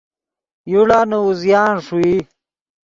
یوڑا نے اوزیان ݰوئی